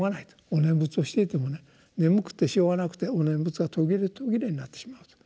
「お念仏をしていても眠くてしょうがなくてお念仏が途切れ途切れになってしまう」と。